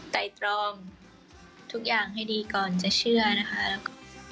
ไต่ตรองทุกอย่างให้ดีก่อนจะเชื่อนะคะแล้วก็